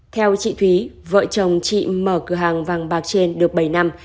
theo chị thúy vợ chồng chị mở cửa hàng vàng bạc trên được bảy năm